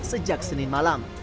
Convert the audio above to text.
sejak senin malam